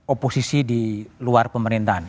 oposisi di luar pemerintahan